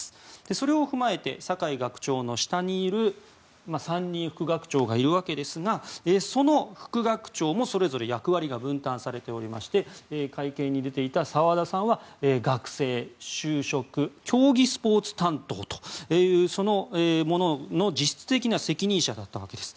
それを踏まえて酒井学長の下に３人、副学長がいるわけですがその副学長もそれぞれ役割が分担されておりまして会見に出ていた澤田さんは学生、就職競技スポーツ担当というその実質的な責任者だったわけです。